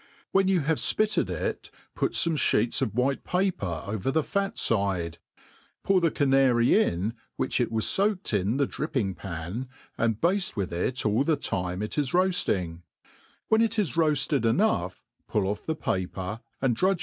When you have fpitted it, pijit fome < Iheets of.whit^ paper over the fat fide, pour the. canary in w()ifti it was foaked in the dripping pan, and bade with it all the tiqip it is toafiing ; when it is roafied enough, pull off the paper, and drudge.